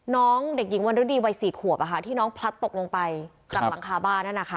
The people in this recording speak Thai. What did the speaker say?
น้องเด็กหญิงวันฤดีวัย๔ขวบที่น้องพลัดตกลงไปจากหลังคาบ้านนั่นนะคะ